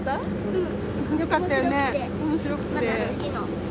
うん。